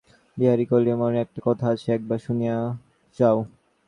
বিহারী কহিল, মহিনদা, একটা কথা আছে, একবার শুনিয়া যাও।